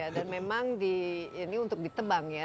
dan memang ini untuk ditebang ya